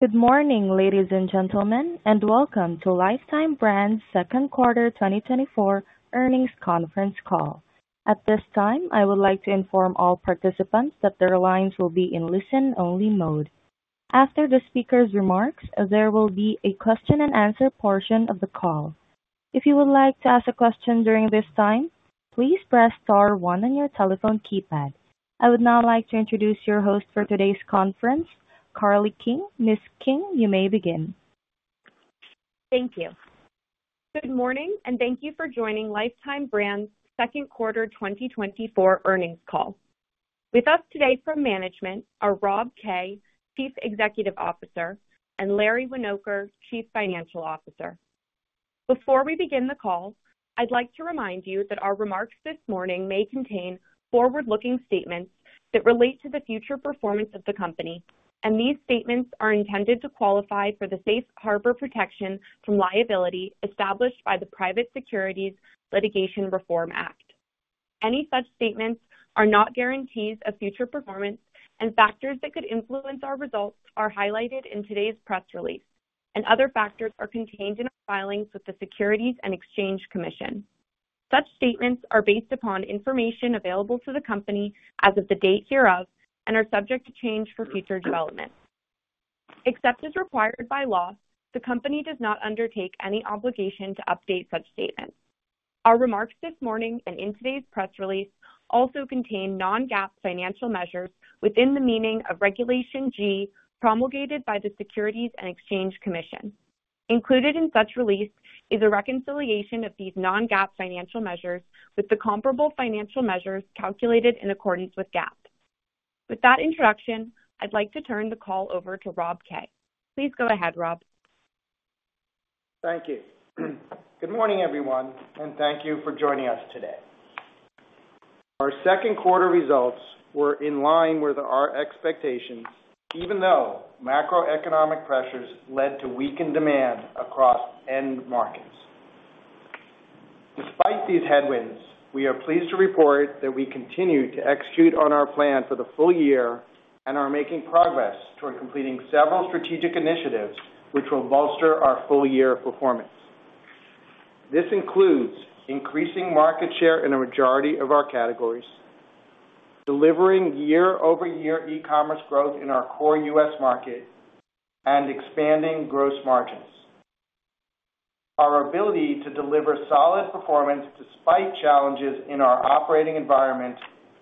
Good morning, ladies and gentlemen, and welcome to Lifetime Brands' second quarter 2024 earnings conference call. At this time, I would like to inform all participants that their lines will be in listen-only mode. After the speaker's remarks, there will be a question-and-answer portion of the call. If you would like to ask a question during this time, please press star one on your telephone keypad. I would now like to introduce your host for today's conference, Carly King. Ms. King, you may begin. Thank you. Good morning, and thank you for joining Lifetime Brands' second quarter 2024 earnings call. With us today from management are Rob Kay, Chief Executive Officer, and Larry Winoker, Chief Financial Officer. Before we begin the call, I'd like to remind you that our remarks this morning may contain forward-looking statements that relate to the future performance of the company, and these statements are intended to qualify for the Safe Harbor protection from liability established by the Private Securities Litigation Reform Act. Any such statements are not guarantees of future performance, and factors that could influence our results are highlighted in today's press release, and other factors are contained in our filings with the Securities and Exchange Commission. Such statements are based upon information available to the company as of the date hereof and are subject to change for future development. Except as required by law, the company does not undertake any obligation to update such statements. Our remarks this morning and in today's press release also contain non-GAAP financial measures within the meaning of Regulation G, promulgated by the Securities and Exchange Commission. Included in such release is a reconciliation of these non-GAAP financial measures with the comparable financial measures calculated in accordance with GAAP. With that introduction, I'd like to turn the call over to Rob Kay. Please go ahead, Rob. Thank you. Good morning, everyone, and thank you for joining us today. Our second quarter results were in line with our expectations, even though macroeconomic pressures led to weakened demand across end markets. Despite these headwinds, we are pleased to report that we continue to execute on our plan for the full year and are making progress toward completing several strategic initiatives, which will bolster our full-year performance. This includes increasing market share in a majority of our categories, delivering year-over-year e-commerce growth in our core U.S. market, and expanding gross margins. Our ability to deliver solid performance despite challenges in our operating environment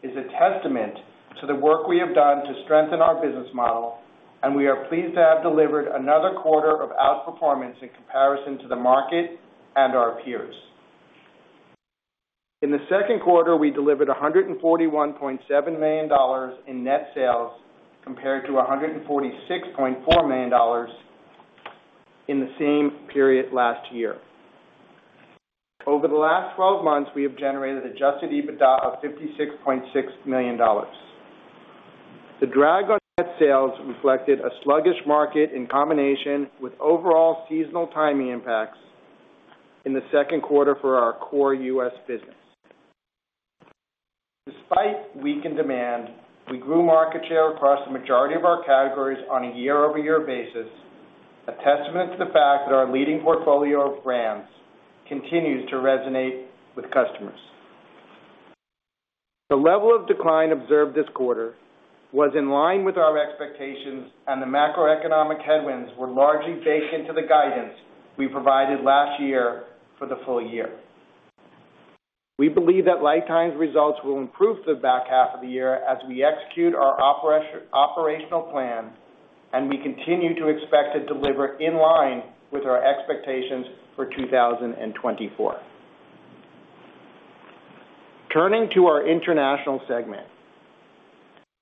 is a testament to the work we have done to strengthen our business model, and we are pleased to have delivered another quarter of outperformance in comparison to the market and our peers. In the second quarter, we delivered $141.7 million in net sales, compared to $146.4 million in the same period last year. Over the last 12 months, we have generated Adjusted EBITDA of $56.6 million. The drag on net sales reflected a sluggish market in combination with overall seasonal timing impacts in the second quarter for our core U.S. business. Despite weakened demand, we grew market share across the majority of our categories on a year-over-year basis, a testament to the fact that our leading portfolio of brands continues to resonate with customers. The level of decline observed this quarter was in line with our expectations, and the macroeconomic headwinds were largely baked into the guidance we provided last year for the full year. We believe that Lifetime's results will improve the back half of the year as we execute our operational plan, and we continue to expect to deliver in line with our expectations for 2024. Turning to our international segment.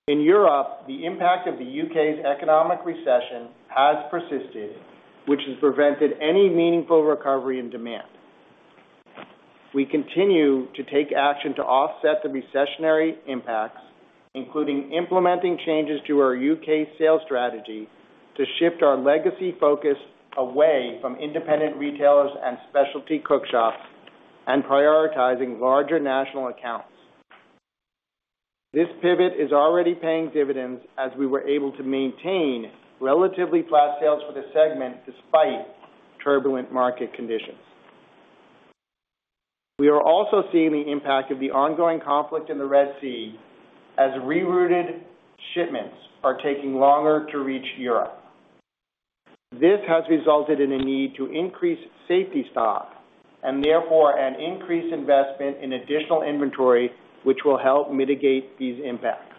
In Europe, the impact of the U.K.'s economic recession has persisted, which has prevented any meaningful recovery in demand. We continue to take action to offset the recessionary impacts, including implementing changes to our U.K. sales strategy, to shift our legacy focus away from independent retailers and specialty cook shops and prioritizing larger national accounts. This pivot is already paying dividends as we were able to maintain relatively flat sales for the segment despite turbulent market conditions. We are also seeing the impact of the ongoing conflict in the Red Sea as rerouted shipments are taking longer to reach Europe. This has resulted in a need to increase safety stock and therefore an increased investment in additional inventory, which will help mitigate these impacts.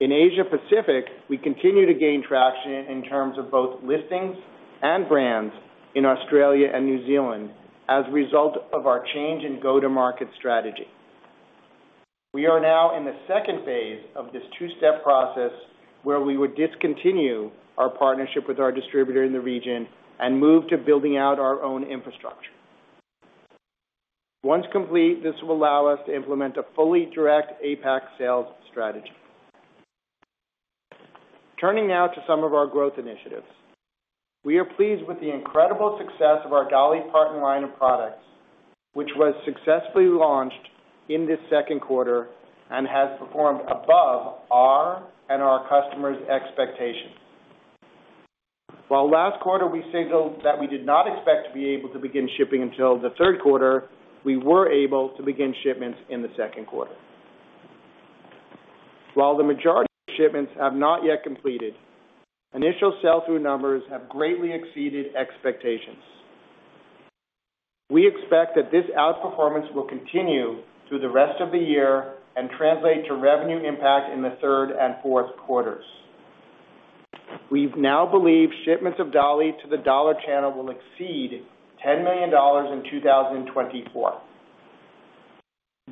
In Asia Pacific, we continue to gain traction in terms of both listings and brands in Australia and New Zealand as a result of our change in go-to-market strategy. We are now in the second phase of this two-step process, where we would discontinue our partnership with our distributor in the region and move to building out our own infrastructure. Once complete, this will allow us to implement a fully direct APAC sales strategy. Turning now to some of our growth initiatives. We are pleased with the incredible success of our Dolly Parton line of products, which was successfully launched in this second quarter and has performed above our and our customers' expectations. While last quarter, we signaled that we did not expect to be able to begin shipping until the third quarter, we were able to begin shipments in the second quarter. While the majority of shipments have not yet completed, initial sell-through numbers have greatly exceeded expectations. We expect that this outperformance will continue through the rest of the year and translate to revenue impact in the third and fourth quarters. We now believe shipments of Dolly to the dollar channel will exceed $10 million in 2024.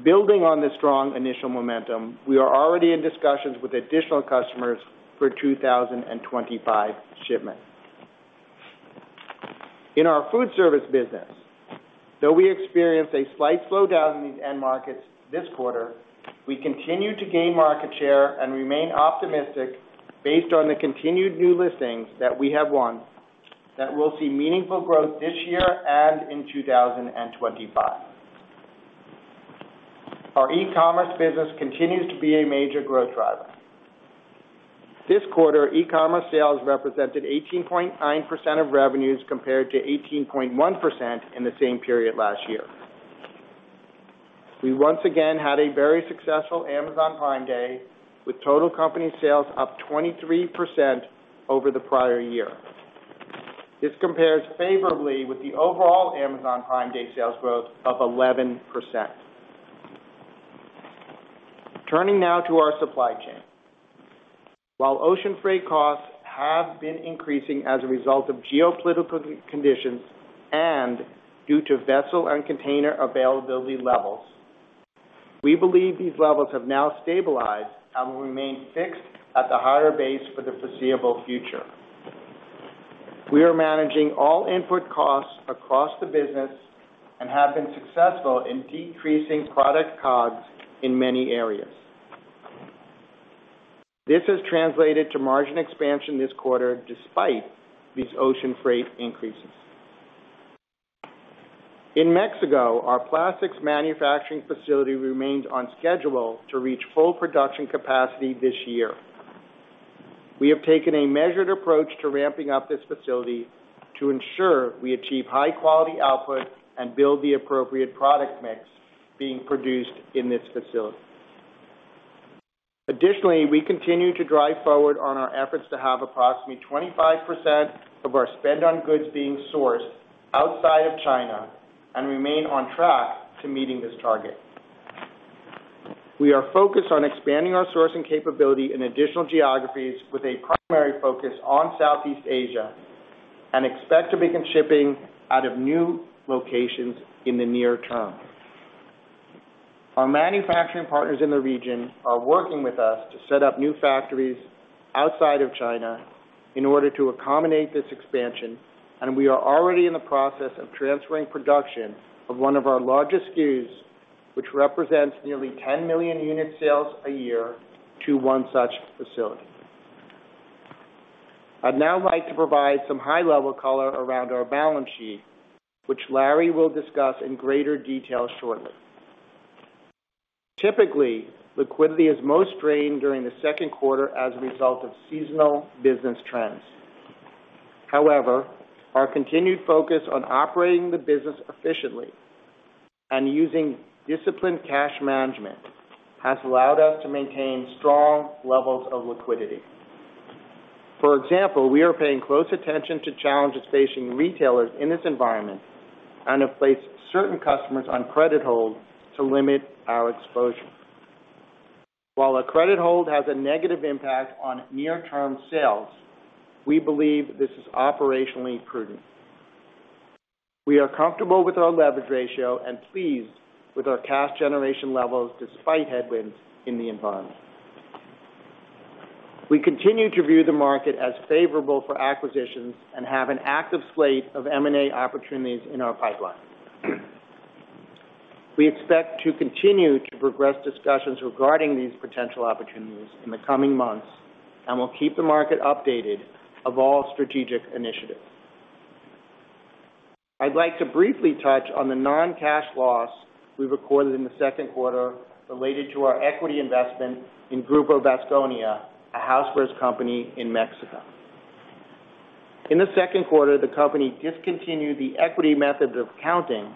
Building on this strong initial momentum, we are already in discussions with additional customers for 2025 shipments. In our food service business, though we experienced a slight slowdown in these end markets this quarter, we continue to gain market share and remain optimistic, based on the continued new listings that we have won, that we'll see meaningful growth this year and in 2025. Our e-commerce business continues to be a major growth driver. This quarter, e-commerce sales represented 18.9% of revenues compared to 18.1% in the same period last year. We once again had a very successful Amazon Prime Day, with total company sales up 23% over the prior year. This compares favorably with the overall Amazon Prime Day sales growth of 11%. Turning now to our supply chain. While ocean freight costs have been increasing as a result of geopolitical conditions and due to vessel and container availability levels, we believe these levels have now stabilized and will remain fixed at the higher base for the foreseeable future. We are managing all input costs across the business and have been successful in decreasing product COGS in many areas. This has translated to margin expansion this quarter, despite these ocean freight increases. In Mexico, our plastics manufacturing facility remains on schedule to reach full production capacity this year. We have taken a measured approach to ramping up this facility to ensure we achieve high-quality output and Built the appropriate product mix being produced in this facility. Additionally, we continue to drive forward on our efforts to have approximately 25% of our spend on goods being sourced outside of China, and remain on track to meeting this target. We are focused on expanding our sourcing capability in additional geographies with a primary focus on Southeast Asia, and expect to begin shipping out of new locations in the near term. Our manufacturing partners in the region are working with us to set up new factories outside of China in order to accommodate this expansion, and we are already in the process of transferring production of one of our largest SKUs, which represents nearly 10 million unit sales a year, to one such facility. I'd now like to provide some high-level color around our balance sheet, which Larry will discuss in greater detail shortly. Typically, liquidity is most strained during the second quarter as a result of seasonal business trends. However, our continued focus on operating the business efficiently and using disciplined cash management has allowed us to maintain strong levels of liquidity. For example, we are paying close attention to challenges facing retailers in this environment and have placed certain customers on credit hold to limit our exposure. While a credit hold has a negative impact on near-term sales, we believe this is operationally prudent. We are comfortable with our leverage ratio and pleased with our cash generation levels despite headwinds in the environment. We continue to view the market as favorable for acquisitions and have an active slate of M&A opportunities in our pipeline. We expect to continue to progress discussions regarding these potential opportunities in the coming months, and we'll keep the market updated of all strategic initiatives. I'd like to briefly touch on the non-cash loss we recorded in the second quarter related to our equity investment in Grupo Vasconia, a housewares company in Mexico. In the second quarter, the company discontinued the equity method of accounting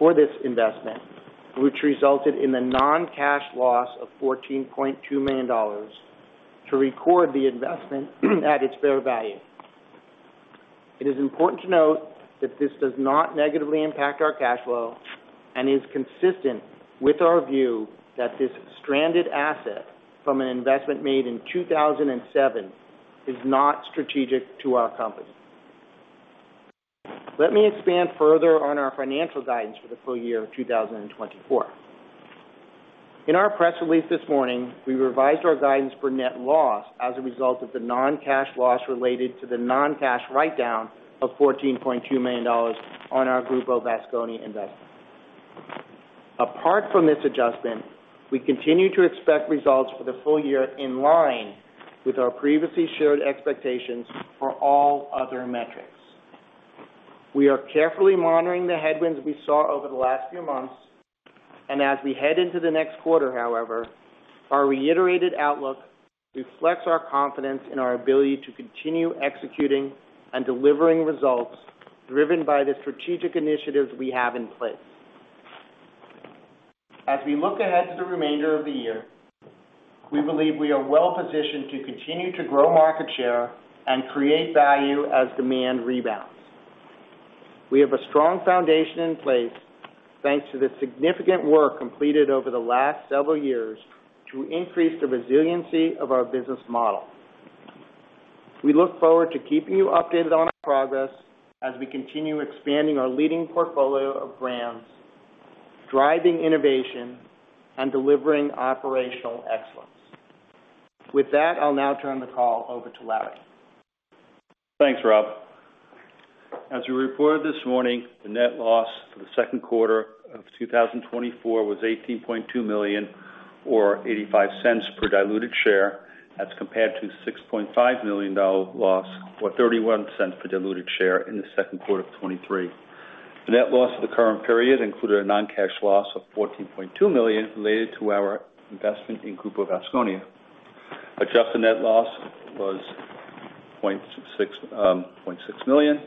for this investment, which resulted in a non-cash loss of $14.2 million to record the investment at its fair value. It is important to note that this does not negatively impact our cash flow and is consistent with our view that this stranded asset from an investment made in 2007 is not strategic to our company. Let me expand further on our financial guidance for the full year of 2024. In our press release this morning, we revised our guidance for net loss as a result of the non-cash loss related to the non-cash write-down of $14.2 million on our Grupo Vasconia investment. Apart from this adjustment, we continue to expect results for the full year in line with our previously shared expectations for all other metrics. We are carefully monitoring the headwinds we saw over the last few months, and as we head into the next quarter, however, our reiterated outlook reflects our confidence in our ability to continue executing and delivering results, driven by the strategic initiatives we have in place. As we look ahead to the remainder of the year, we believe we are well-positioned to continue to grow market share and create value as demand rebounds. We have a strong foundation in place, thanks to the significant work completed over the last several years to increase the resiliency of our business model. We look forward to keeping you updated on our progress as we continue expanding our leading portfolio of brands, driving innovation, and delivering operational excellence. With that, I'll now turn the call over to Larry. Thanks, Rob. As we reported this morning, the net loss for the second quarter of 2024 was $18.2 million, or $0.85 per diluted share. That's compared to $6.5 million dollar loss, or $0.31 per diluted share in the second quarter of 2023. The net loss for the current period included a non-cash loss of $14.2 million related to our investment in Grupo Vasconia. Adjusted net loss was $0.6 million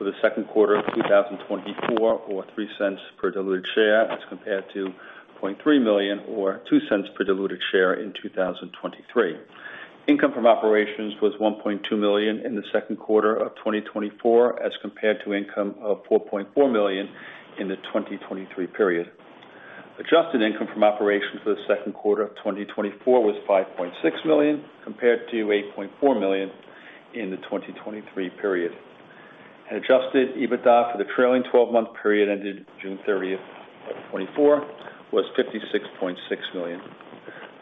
for the second quarter of 2024, or $0.03 per diluted share, as compared to $0.3 million or $0.02 per diluted share in 2023. Income from operations was $1.2 million in the second quarter of 2024, as compared to income of $4.4 million in the 2023 period. Adjusted income from operations for the second quarter of 2024 was $5.6 million, compared to $8.4 million in the 2023 period. Adjusted EBITDA for the trailing twelve-month period ended June 30, 2024, was $56.6 million.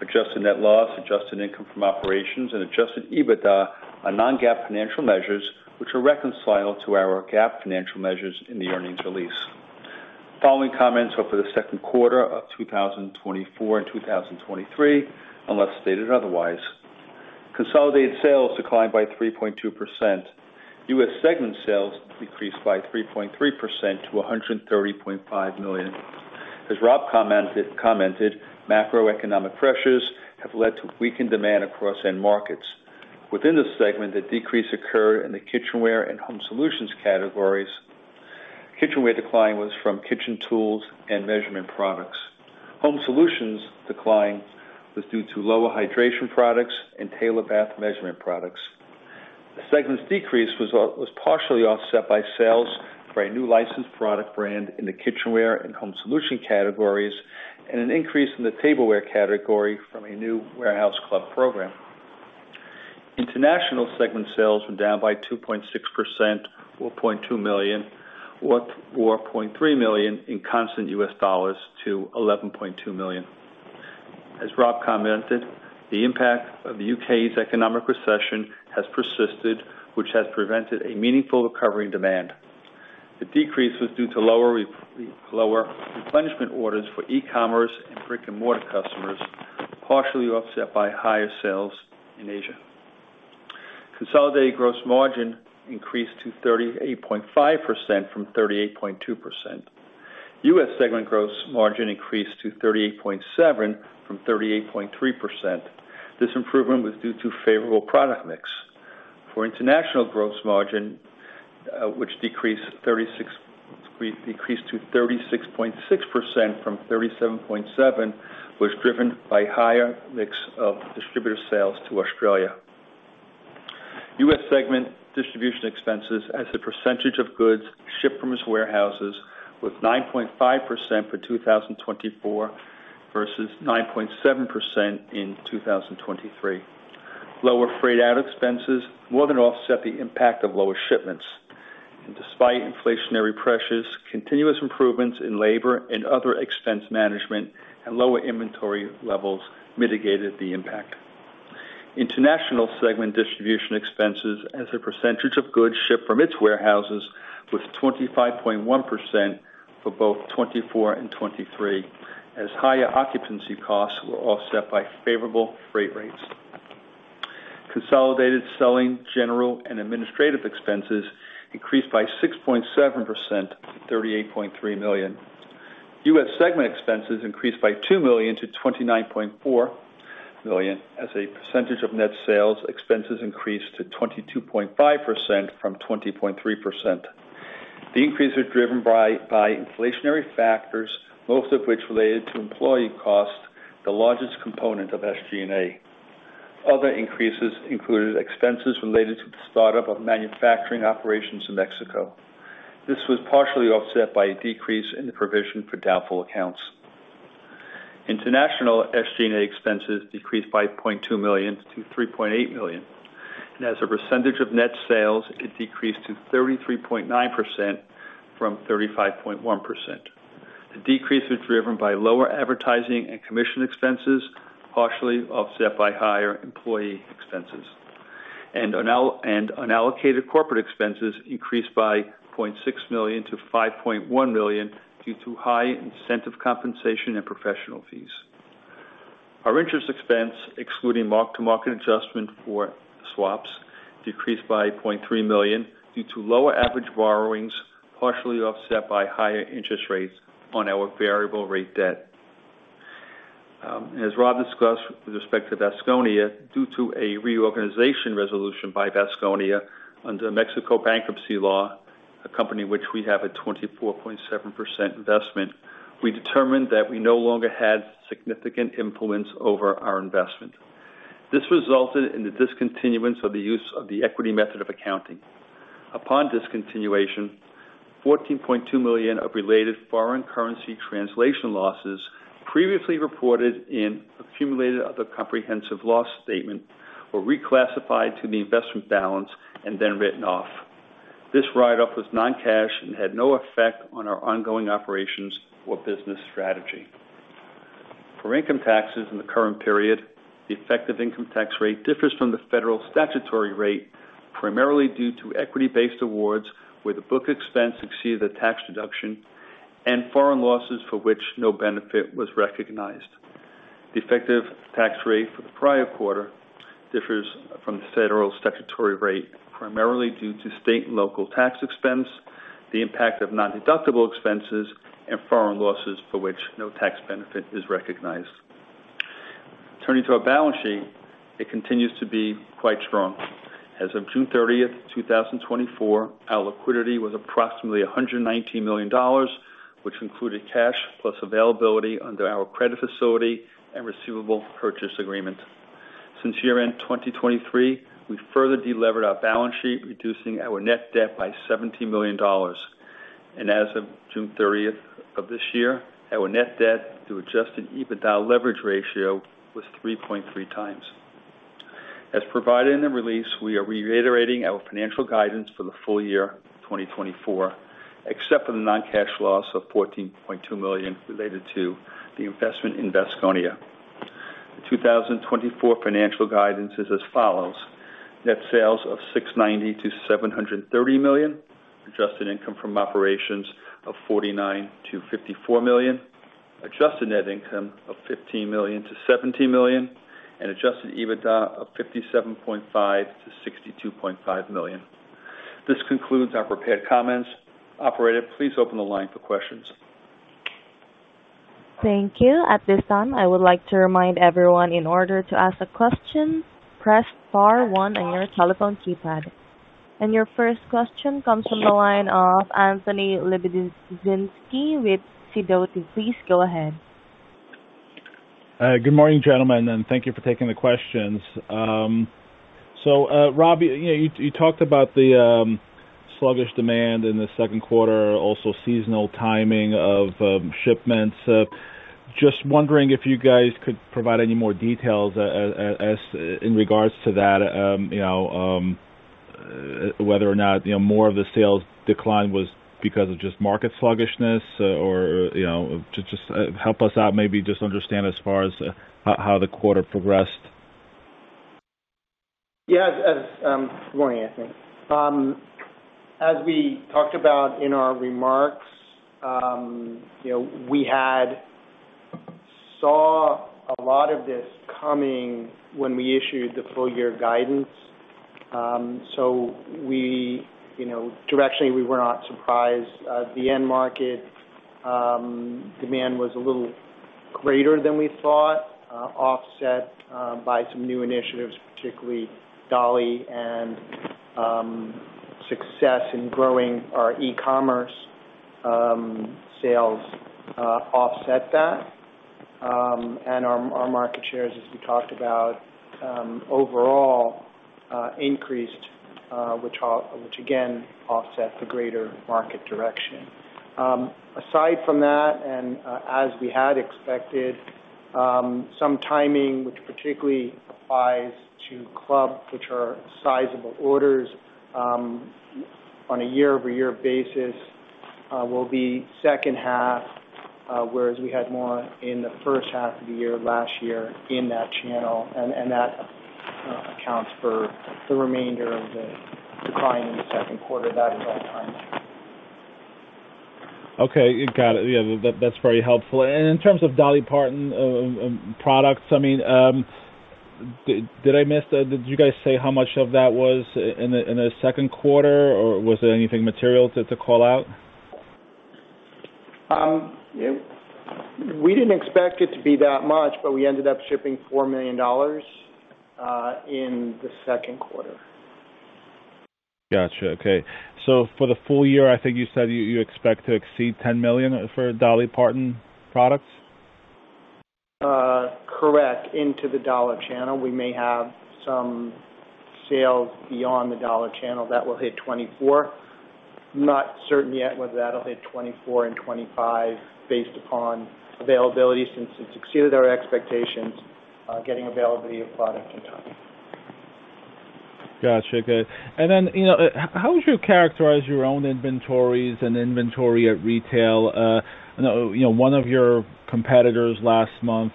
Adjusted net loss, adjusted income from operations, and adjusted EBITDA are non-GAAP financial measures, which are reconciled to our GAAP financial measures in the earnings release. The following comments are for the second quarter of 2024 and 2023, unless stated otherwise. Consolidated sales declined by 3.2%. U.S. segment sales decreased by 3.3% to $130.5 million. As Rob commented, macroeconomic pressures have led to weakened demand across end markets. Within the segment, the decrease occurred in the kitchenware and home solutions categories. Kitchenware decline was from kitchen tools and measurement products. Home solutions decline was due to lower hydration products and Taylor bath measurement products. The segment's decrease was partially offset by sales for a new licensed product brand in the kitchenware and home solution categories, and an increase in the tableware category from a new warehouse club program. International segment sales were down by 2.6%, or $0.2 million, or $0.3 million in constant U.S. dollars to $11.2 million. As Rob commented, the impact of the U.K.'s economic recession has persisted, which has prevented a meaningful recovery in demand. The decrease was due to lower replenishment orders for e-commerce and brick-and-mortar customers, partially offset by higher sales in Asia. Consolidated gross margin increased to 38.5% from 38.2%. U.S. segment gross margin increased to 38.7% from 38.3%. This improvement was due to favorable product mix. For international gross margin, which decreased to 36.6% from 37.7%, was driven by higher mix of distributor sales to Australia. U.S. segment distribution expenses as a percentage of goods shipped from its warehouses was 9.5% for 2024 versus 9.7% in 2023. Lower freight out expenses more than offset the impact of lower shipments. Despite inflationary pressures, continuous improvements in labor and other expense management and lower inventory levels mitigated the impact. International segment distribution expenses as a percentage of goods shipped from its warehouses was 25.1% for both 2024 and 2023, as higher occupancy costs were offset by favorable freight rates. Consolidated selling, general and administrative expenses increased by 6.7% to $38.3 million. U.S. segment expenses increased by $2 million to $29.4 million. As a percentage of net sales, expenses increased to 22.5% from 20.3%. The increase was driven by inflationary factors, most of which related to employee costs, the largest component of SG&A. Other increases included expenses related to the startup of manufacturing operations in Mexico. This was partially offset by a decrease in the provision for doubtful accounts. International SG&A expenses decreased by $0.2 million to $3.8 million, and as a percentage of net sales, it decreased to 33.9% from 35.1%. The decrease was driven by lower advertising and commission expenses, partially offset by higher employee expenses. Unallocated corporate expenses increased by $0.6 million to $5.1 million due to high incentive compensation and professional fees. Our interest expense, excluding mark-to-market adjustment for swaps, decreased by $0.3 million due to lower average borrowings, partially offset by higher interest rates on our variable rate debt. As Rob discussed with respect to Vasconia, due to a reorganization resolution by Vasconia under Mexico bankruptcy law, a company in which we have a 24.7% investment, we determined that we no longer had significant influence over our investment. This resulted in the discontinuance of the use of the equity method of accounting. Upon discontinuation, $14.2 million of related foreign currency translation losses previously reported in accumulated other comprehensive loss statement were reclassified to the investment balance and then written off. This write-off was non-cash and had no effect on our ongoing operations or business strategy. For income taxes in the current period, the effective income tax rate differs from the federal statutory rate, primarily due to equity-based awards, where the book expense exceeded the tax deduction and foreign losses for which no benefit was recognized. The effective tax rate for the prior quarter differs from the federal statutory rate, primarily due to state and local tax expense, the impact of nondeductible expenses, and foreign losses for which no tax benefit is recognized. Turning to our balance sheet, it continues to be quite strong. As of June 30th, 2024, our liquidity was approximately $119 million, which included cash plus availability under our credit facility and receivable purchase agreement. Since year-end 2023, we further delevered our balance sheet, reducing our net debt by $70 million. And as of June 30 of this year, our net debt to Adjusted EBITDA leverage ratio was 3.3 times. As provided in the release, we are reiterating our financial guidance for the full year 2024, except for the non-cash loss of $14.2 million related to the investment in Vasconia. The 2024 financial guidance is as follows: Net sales of $690 million-$730 million, adjusted income from operations of $49 million-$54 million, adjusted net income of $15 million-$17 million, and Adjusted EBITDA of $57.5 million-$62.5 million. This concludes our prepared comments. Operator, please open the line for questions. Thank you. At this time, I would like to remind everyone, in order to ask a question, press star one on your telephone keypad. Your first question comes from the line of Anthony Lebiedzinski with Sidoti. Please go ahead. Good morning, gentlemen, and thank you for taking the questions. So, Rob, you talked about the sluggish demand in the second quarter, also seasonal timing of shipments. Just wondering if you guys could provide any more details as in regards to that, you know, whether or not, you know, more of the sales decline was because of just market sluggishness or, you know, just help us out, maybe just understand as far as how the quarter progressed. Yeah, Good morning, Anthony. As we talked about in our remarks, you know, we had saw a lot of this coming when we issued the full year guidance. So we, you know, directionally, we were not surprised. The end market demand was a little greater than we thought, offset by some new initiatives, particularly Dolly and success in growing our e-commerce sales, offset that. And our market shares, as we talked about, overall, increased, which again, offset the greater market direction. Aside from that, and as we had expected, some timing, which particularly applies to club, which are sizable orders, on a year-over-year basis, will be second half, whereas we had more in the first half of the year, last year in that channel, and that accounts for the remainder of the decline in the second quarter. That is all timing. Okay, got it. Yeah, that, that's very helpful. And in terms of Dolly Parton products, I mean, did I miss that? Did you guys say how much of that was in the second quarter, or was there anything material to call out? We didn't expect it to be that much, but we ended up shipping $4 million in the second quarter. Gotcha. Okay. So for the full year, I think you said you expect to exceed $10 million for Dolly Parton products? Correct, into the dollar channel. We may have some sales beyond the dollar channel that will hit 2024. Not certain yet whether that'll hit 2024 and 2025 based upon availability, since it's exceeded our expectations, getting availability of product in time. Gotcha. Good. And then, you know, how would you characterize your own inventories and inventory at retail? I know, you know, one of your competitors last month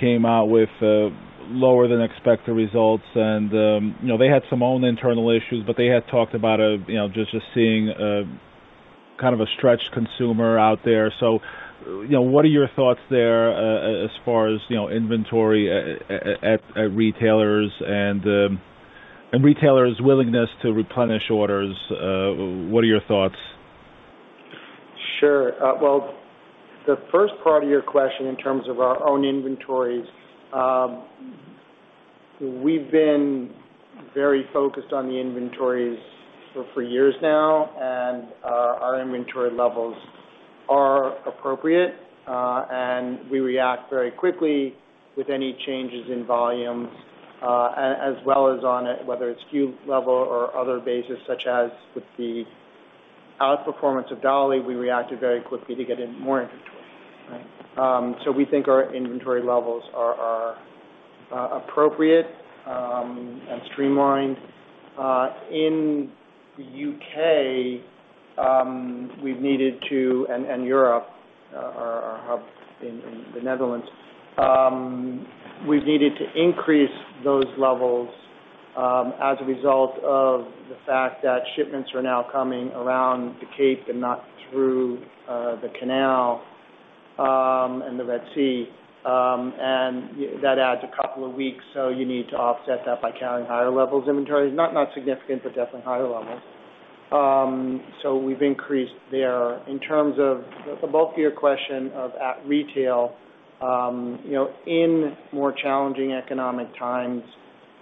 came out with lower than expected results, and, you know, they had some own internal issues, but they had talked about, you know, just seeing kind of a stretched consumer out there. So, you know, what are your thoughts there, as far as, you know, inventory at retailers and retailers' willingness to replenish orders? What are your thoughts? Sure. Well, the first part of your question in terms of our own inventories, we've been very focused on the inventories for years now, and our inventory levels are appropriate. And we react very quickly with any changes in volumes, as well as on it, whether it's SKU level or other bases, such as with the outperformance of Dolly, we reacted very quickly to get in more inventory, right? So we think our inventory levels are appropriate, and streamlined. In the UK and Europe, our hub in the Netherlands, we've needed to increase those levels, as a result of the fact that shipments are now coming around the Cape and not through the canal, and the Red Sea. That adds a couple of weeks, so you need to offset that by carrying higher levels of inventories. Not significant, but definitely higher levels. So we've increased there. In terms of the bulk of your question of at retail, you know, in more challenging economic times,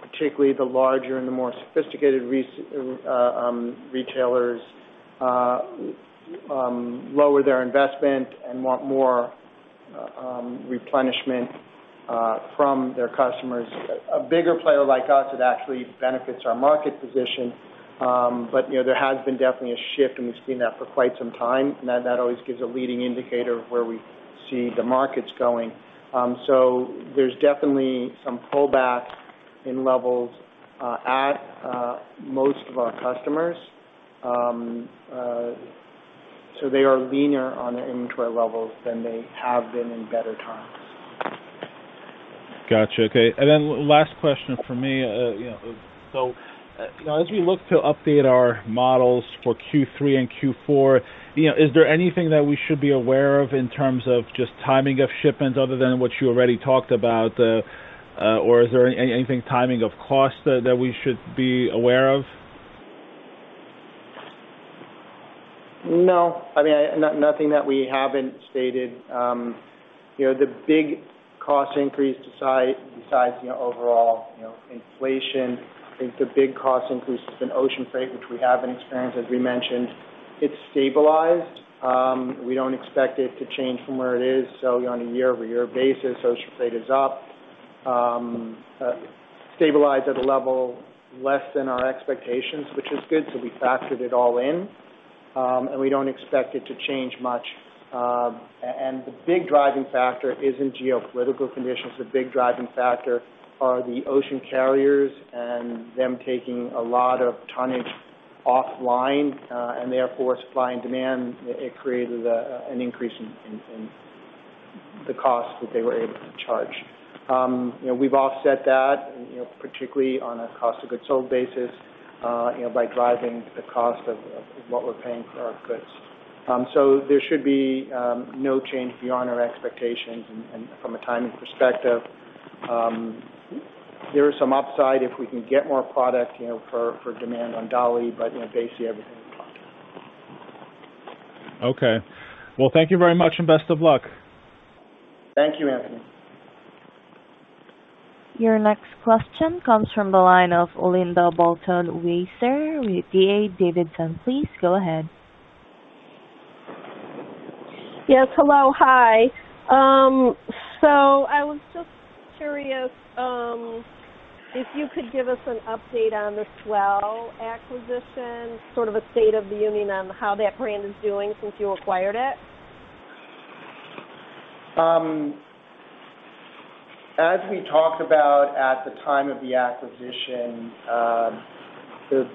particularly the larger and the more sophisticated retailers lower their investment and want more replenishment from their customers. A bigger player like us, it actually benefits our market position. But, you know, there has been definitely a shift, and we've seen that for quite some time. That always gives a leading indicator of where we see the markets going. So there's definitely some pullback in levels at most of our customers. They are leaner on their inventory levels than they have been in better times. Gotcha. Okay, and then last question from me. You know, so, you know, as we look to update our models for Q3 and Q4, you know, is there anything that we should be aware of in terms of just timing of shipments other than what you already talked about, or is there anything timing of cost that we should be aware of? No, I mean, nothing that we haven't stated. You know, the big cost increase besides, you know, overall, you know, inflation, I think the big cost increase has been ocean freight, which we haven't experienced, as we mentioned. It's stabilized. We don't expect it to change from where it is. So on a year-over-year basis, ocean freight is up, stabilized at a level less than our expectations, which is good. So we factored it all in, and we don't expect it to change much. And the big driving factor isn't geopolitical conditions. The big driving factor are the ocean carriers and them taking a lot of tonnage offline, and therefore, supply and demand, it created, an increase in, the cost that they were able to charge. You know, we've offset that, you know, particularly on a cost of goods sold basis, by driving the cost of what we're paying for our goods. So there should be no change beyond our expectations, and from a timing perspective. There is some upside if we can get more product, you know, for demand on Dolly, but, you know, basically, everything is on track. Okay. Well, thank you very much, and best of luck. Thank you, Anthony. Your next question comes from the line of Linda Bolton Weiser with D.A. Davidson. Please go ahead. Yes, hello. Hi. So I was just curious, if you could give us an update on the S'well acquisition, sort of a state of the union on how that brand is doing since you acquired it? As we talked about at the time of the acquisition, the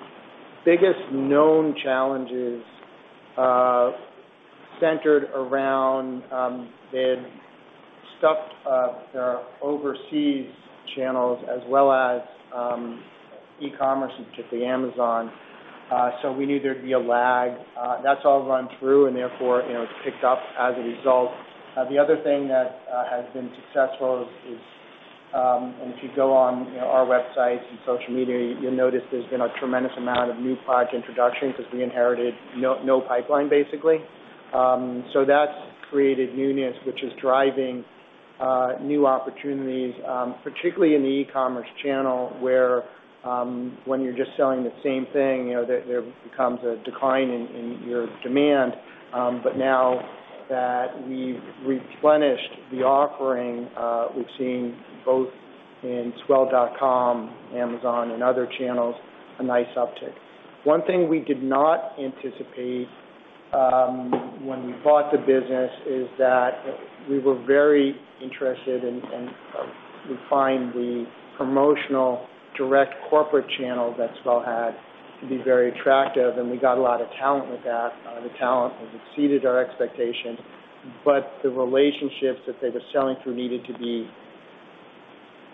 biggest known challenges centered around, they had stuffed up their overseas channels as well as e-commerce, which is the Amazon. So we knew there'd be a lag. That's all run through and therefore, you know, it's picked up as a result. The other thing that has been successful is, and if you go on, you know, our websites and social media, you'll notice there's been a tremendous amount of new product introductions because we inherited no, no pipeline, basically. So that's created newness, which is driving new opportunities, particularly in the e-commerce channel, where, when you're just selling the same thing, you know, there, there becomes a decline in, in your demand. But now that we've replenished the offering, we've seen both in S'well.com, Amazon, and other channels, a nice uptick. One thing we did not anticipate, when we bought the business is that we were very interested in, we found the promotional direct corporate channel that S'well had to be very attractive, and we got a lot of talent with that. The talent has exceeded our expectations, but the relationships that they were selling through needed to be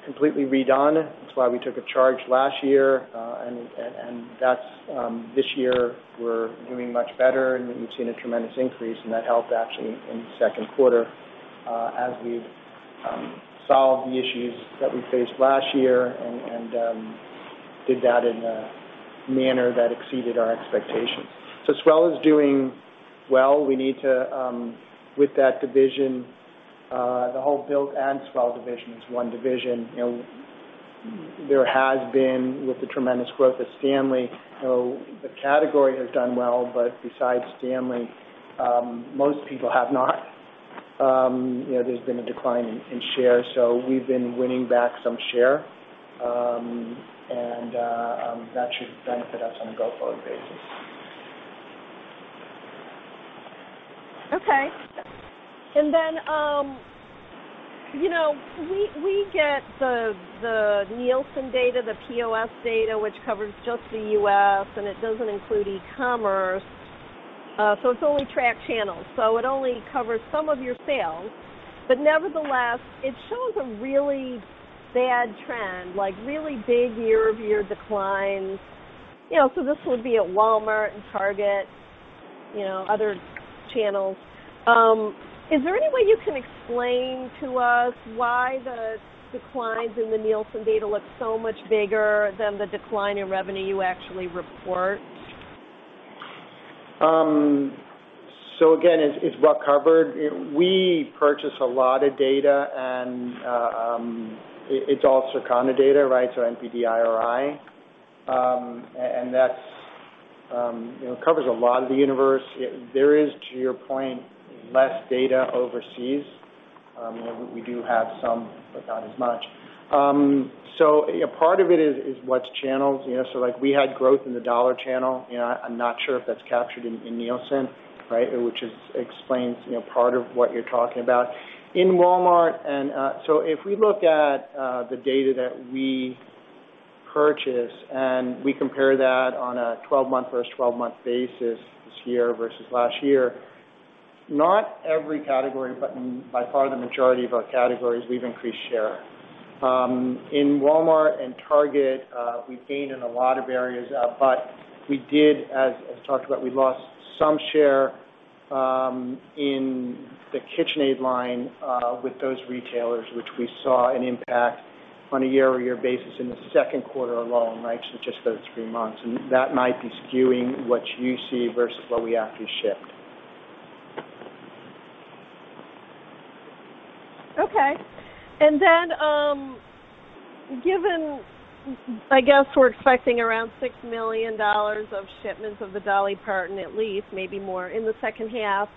completely redone. That's why we took a charge last year, and that's this year, we're doing much better, and we've seen a tremendous increase, and that helped actually in the second quarter, as we've solved the issues that we faced last year and did that in a manner that exceeded our expectations. So S'well is doing well. We need to with that division, the whole Build and Swell division is one division. You know, there has been, with the tremendous growth of Stanley, so the category has done well, but besides Stanley, most people have not. You know, there's been a decline in shares, so we've been winning back some share. And that should benefit us on a go-forward basis. Okay. And then, you know, we get the Nielsen data, the POS data, which covers just the U.S., and it doesn't include e-commerce, so it's only tracked channels, so it only covers some of your sales. But nevertheless, it shows a really bad trend, like really big year-over-year declines. You know, so this would be at Walmart and Target, you know, other channels. Is there any way you can explain to us why the declines in the Nielsen data look so much bigger than the decline in revenue you actually report? So again, it's well covered. We purchase a lot of data, and it's all Circana data, right, so NPD IRI. And that's, you know, covers a lot of the universe. There is, to your point, less data overseas. We do have some, but not as much. So part of it is what's channeled. You know, so, like, we had growth in the dollar channel. You know, I'm not sure if that's captured in Nielsen, right? Which explains, you know, part of what you're talking about. In Walmart. So if we look at the data that we purchase and we compare that on a 12-month versus 12-month basis this year versus last year, not every category, but by far the majority of our categories, we've increased share. In Walmart and Target, we've gained in a lot of areas, but we did, as talked about, we lost some share in the KitchenAid line with those retailers, which we saw an impact on a year-over-year basis in the second quarter alone, right? So just those three months. That might be skewing what you see versus what we actually shipped. Okay. And then, given, I guess, we're expecting around $6 million of shipments of the Dolly Parton, at least, maybe more in the second half.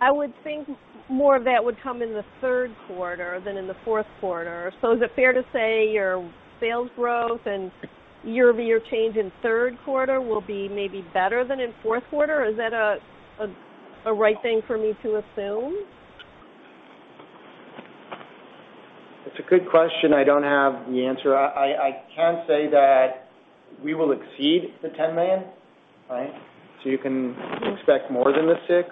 I would think more of that would come in the third quarter than in the fourth quarter. So is it fair to say your sales growth and year-over-year change in third quarter will be maybe better than in fourth quarter? Is that a right thing for me to assume? It's a good question. I don't have the answer. I can say that we will exceed the $10 million, right? So you can expect more than the six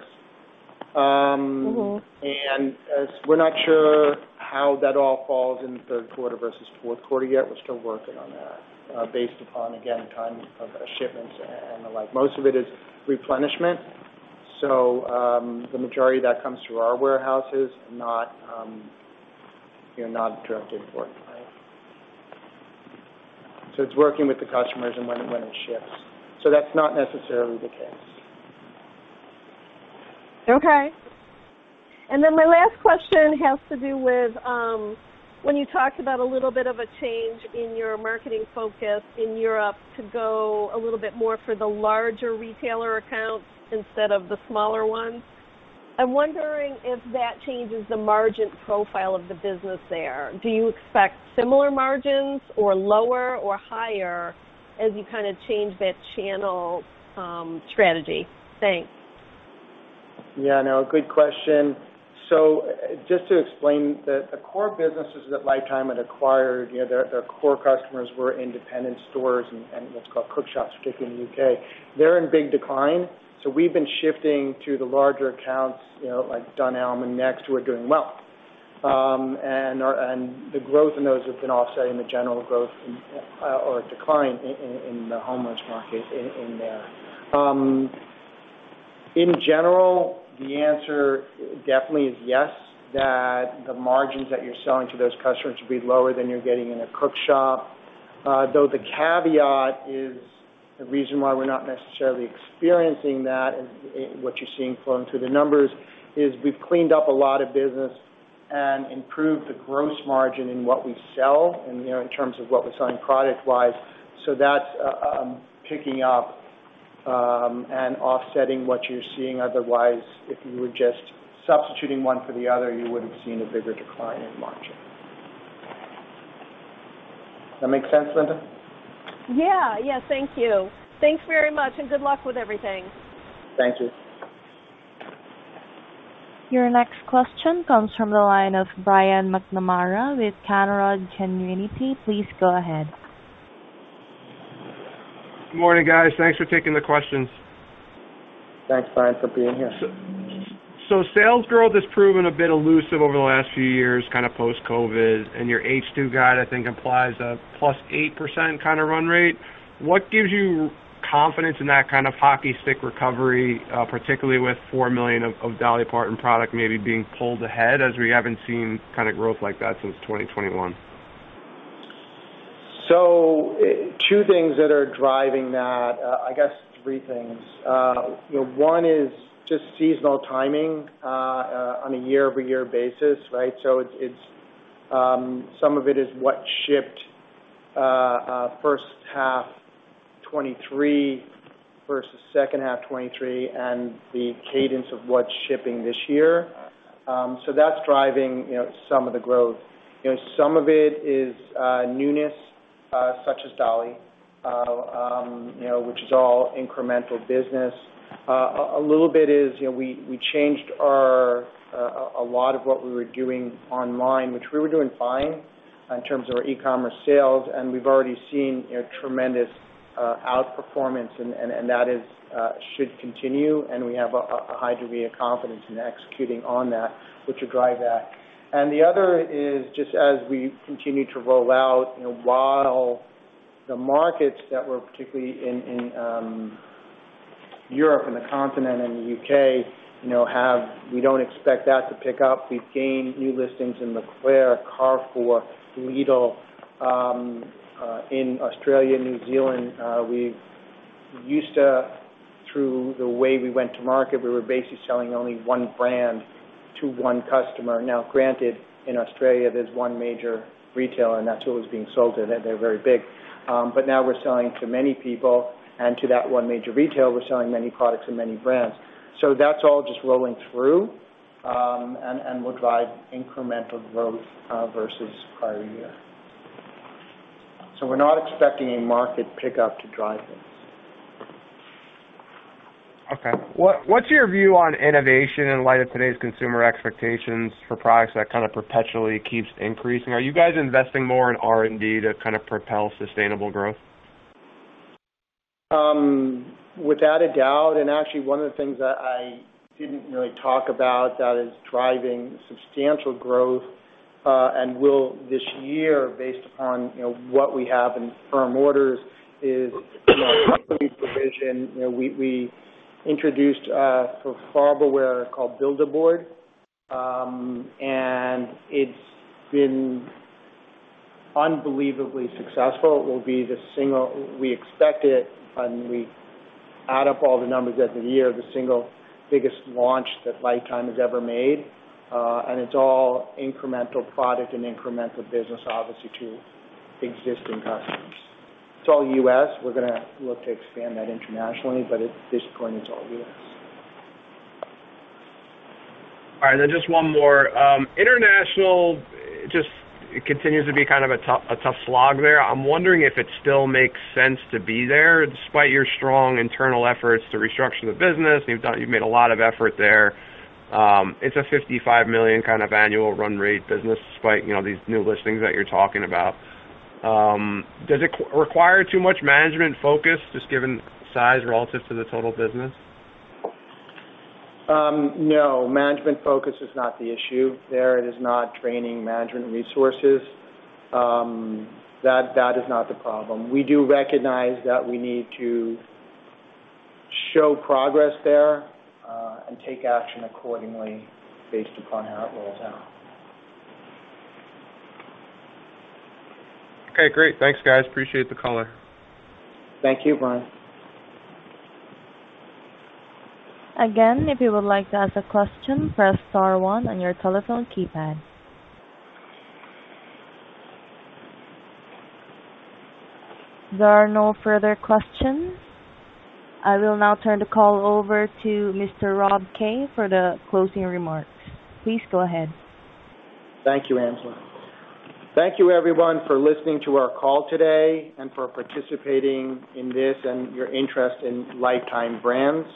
and as we're not sure how that all falls in the third quarter versus fourth quarter yet, we're still working on that, based upon, again, time of shipments and the like. Most of it is replenishment, so, the majority of that comes through our warehouses and not, you know, not directed for it, right? So that's not necessarily the case. Okay. And then my last question has to do with, when you talked about a little bit of a change in your marketing focus in Europe, to go a little bit more for the larger retailer accounts instead of the smaller ones. I'm wondering if that changes the margin profile of the business there. Do you expect similar margins or lower or higher as you kind of change that channel, strategy? Thanks. Yeah, no, good question. So just to explain, the core businesses that Lifetime had acquired, you know, their core customers were independent stores and what's called cook shops, particularly in the UK. They're in big decline, so we've been shifting to the larger accounts, you know, like Dunelm and Next, who are doing well. And the growth in those has been offsetting the general growth in, or decline in, the housewares market in there. In general, the answer definitely is yes, that the margins that you're selling to those customers will be lower than you're getting in a cook shop. Though, the caveat is the reason why we're not necessarily experiencing that, and what you're seeing flowing through the numbers, is we've cleaned up a lot of business and improved the gross margin in what we sell and, you know, in terms of what we're selling product-wise. So that's picking up and offsetting what you're seeing. Otherwise, if you were just substituting one for the other, you would've seen a bigger decline in margin. That make sense, Linda? Yeah. Yeah, thank you. Thanks very much, and good luck with everything. Thank you. Your next question comes from the line of Brian McNamara with Canaccord Genuity. Please go ahead. Good morning, guys. Thanks for taking the questions. Thanks, Brian, for being here. So sales growth has proven a bit elusive over the last few years, kind of post-COVID, and your H2 guide, I think, implies a +8% kind of run rate. What gives you confidence in that kind of hockey stick recovery, particularly with $4 million of Dolly Parton product maybe being pulled ahead, as we haven't seen kind of growth like that since 2021? So, two things that are driving that, I guess three things. You know, one is just seasonal timing, on a year-over-year basis, right? So it's, it's, some of it is what shipped, first half 2023 versus second half 2023, and the cadence of what's shipping this year. So that's driving, you know, some of the growth. You know, some of it is, newness, such as Dolly, you know, which is all incremental business. A little bit is, you know, we changed our a lot of what we were doing online, which we were doing fine in terms of our E-commerce sales, and we've already seen, you know, tremendous outperformance and, and, and that is should continue, and we have a high degree of confidence in executing on that, which will drive that. And the other is, just as we continue to roll out, you know, while the markets that were particularly in Europe and the continent and the U.K., you know, have. We don't expect that to pick up. We've gained new listings in E.Leclerc, Carrefour, Lidl in Australia, New Zealand. We used to, through the way we went to market, we were basically selling only one brand to one customer. Now, granted, in Australia, there's one major retailer, and that's who was being sold to, and they're very big. But now we're selling to many people, and to that one major retailer, we're selling many products and many brands. So that's all just rolling through, and will drive incremental growth, versus prior year. So we're not expecting a market pickup to drive this. Okay. What's your view on innovation in light of today's consumer expectations for products that kind of perpetually keeps increasing? Are you guys investing more in R&D to kind of propel sustainable growth? Without a doubt, and actually one of the things that I didn't really talk about that is driving substantial growth and will this year based upon, you know, what we have in firm orders is, you know, provision. You know, we introduced the Farberware Build-A-Board, and it's been unbelievably successful. It will be the single, we expect it when we add up all the numbers at the year, the single biggest launch that Lifetime has ever made, and it's all incremental product and incremental business, obviously, to existing customers. It's all U.S. We're gonna look to expand that internationally, but at this point, it's all U.S. All right, then just one more. International just, it continues to be kind of a tough, a tough slog there. I'm wondering if it still makes sense to be there, despite your strong internal efforts to restructure the business. You've done, you've made a lot of effort there. It's a $55 million kind of annual run rate business, despite, you know, these new listings that you're talking about. Does it require too much management focus, just given size relative to the total business? No, management focus is not the issue there. It is not training management resources. That is not the problem. We do recognize that we need to show progress there, and take action accordingly based upon how it rolls out. Okay, great. Thanks, guys. Appreciate the call. Thank you, Brian. Again, if you would like to ask a question, press star one on your telephone keypad. There are no further questions. I will now turn the call over to Mr. Rob Kay for the closing remarks. Please go ahead. Thank you, Angela. Thank you, everyone, for listening to our call today and for participating in this and your interest in Lifetime Brands.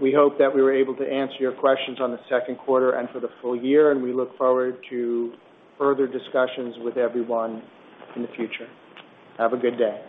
We hope that we were able to answer your questions on the second quarter and for the full year, and we look forward to further discussions with everyone in the future. Have a good day.